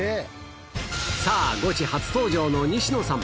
さあ、ゴチ初登場の西野さん。